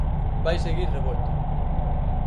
Vai seguir revolto.